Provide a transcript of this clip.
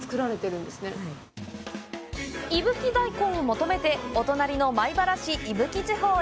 伊吹大根を求めて、お隣の米原市・伊吹地方へ。